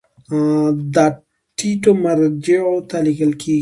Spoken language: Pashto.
دا ټیټو مرجعو ته لیږل کیږي.